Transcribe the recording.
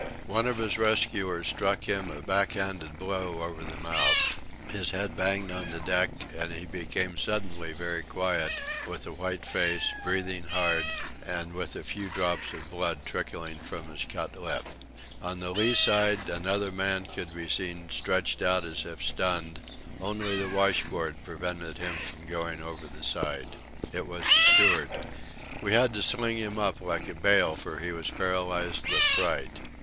One of his rescuers struck him a back handed blow over the mouth; his head banged on the deck, and he became suddenly very quiet, with a white face, breathing hard, and with a few drops of blood trickling from his cut lip. On the lee side another man could be seen stretched out as if stunned; only the washboard prevented him from going over the side. It was the steward. We had to sling him up like a bale, for he was paralysed with fright.